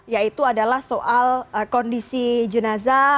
yaitu adalah soal kondisi jenazah